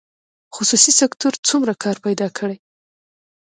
خصوصي سکتور څومره کار پیدا کړی؟